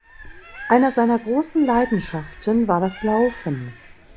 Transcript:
Einer seiner großen Leidenschaften war das Laufen.